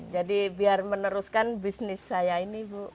jadi biar meneruskan bisnis saya ini bu